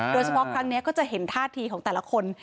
โดยเฉพาะครั้งนี้ก็จะเห็นท่าทีของแต่ละคน